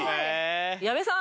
矢部さん